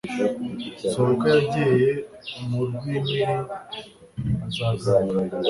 sobukwe yagiye mu rwimpiri azagaruka